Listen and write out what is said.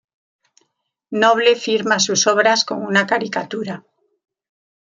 Noble firma sus obras con una caricatura.